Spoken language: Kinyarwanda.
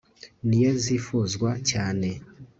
niyo zifuzwa cyane